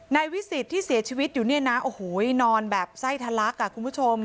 วิสิตที่เสียชีวิตอยู่เนี่ยนะโอ้โหนอนแบบไส้ทะลักอ่ะคุณผู้ชม